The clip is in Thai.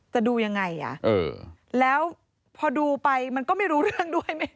ดูยังไงอ่ะแล้วพอดูไปมันก็ไม่รู้เรื่องด้วย